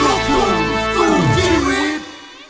ลูกทุ่งสู้ชีวิต